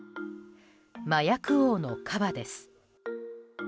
麻薬王のカバです。